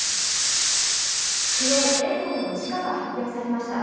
昨日全国の地価が発表されました。